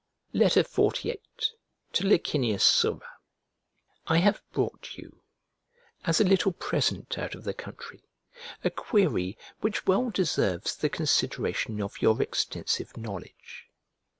XLVIII To LICINIUS SURA I HAVE brought you as a little present out of the country a query which well deserves the consideration of your extensive knowledge.